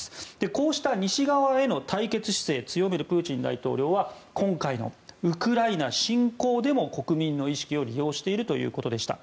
こうした西側への対決姿勢を強めるプーチン大統領は今回のウクライナ侵攻でも国民の意識を利用しているということでした。